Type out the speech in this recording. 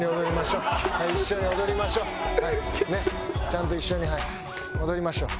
ちゃんと一緒に踊りましょう。